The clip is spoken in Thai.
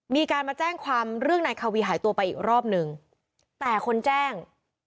มีการมาแจ้งความเรื่องนายคาวีหายไปอีกรอบหนึ่ง